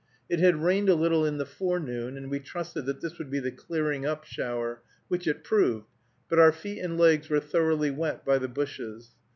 It had rained a little in the forenoon, and we trusted that this would be the clearing up shower, which it proved; but our feet and legs were thoroughly wet by the bushes.